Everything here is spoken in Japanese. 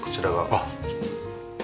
あっ。